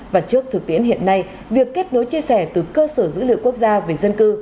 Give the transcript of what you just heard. và trước thực tiễn hiện nay việc kết nối chia sẻ từ cơ sở dữ liệu quốc gia về dân cư